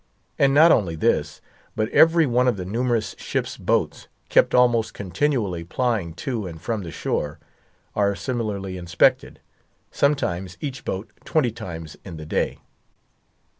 And not only this, but every one of the numerous ship's boats—kept almost continually plying to and from the shore—are similarly inspected, sometimes each boat twenty times in the day.